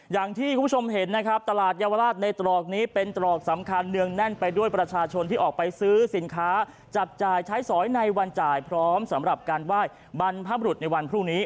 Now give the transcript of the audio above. อย่างที่คุณผู้ชมเห็นนะครับตลาดเยาวราชในตรอกนี้เป็นตรอกสำคัญเนืองแน่นไปด้วยประชาชนที่ออกไปซื้อสินค้าจับจ่ายใช้สอยในวันจ่ายพร้อมสำหรับการไหว้บรรพบรุษในวันพรุ่งนี้